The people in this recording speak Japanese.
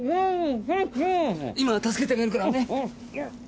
今助けてあげるからね。